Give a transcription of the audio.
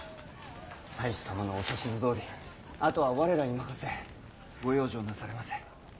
太守様のお指図どおりあとは我らに任せご養生なされませ。